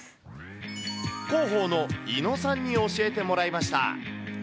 広報の猪野さんに教えてもらいました。